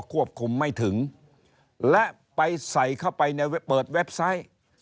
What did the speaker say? โฆษณาขาย